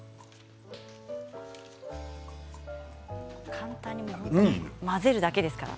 簡単に混ぜるだけですから。